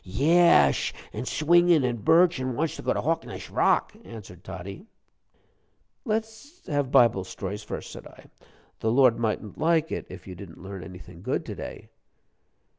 "Yesh an' swingin' an' birch an' wantsh to go to Hawksnesh Rock," answered Toddie. "Let's have Bible stories first," said I. "The Lord mightn't like it if you didn't learn anything good to day."